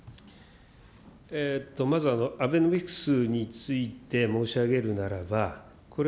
まずアベノミクスについて申し上げるならば、これ、